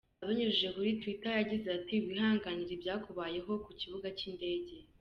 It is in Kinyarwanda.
Abinyujije kuri Twitter yagize ati “ Wihanganire ibyakubayeho ku kibuga cy’indege.